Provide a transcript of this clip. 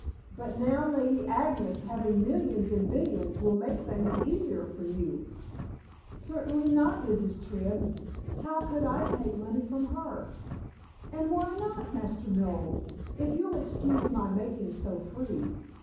But now Lady Agnes having millions and billions will make things easier for you." "Certainly not, Mrs. Tribb. How could I take money from her?" "And why not, Master Noel? if you'll excuse my making so free.